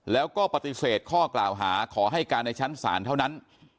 แล้วก็ปฏิเสธข้อกล่าวหาขอให้การในชั้นศาลเท่านั้น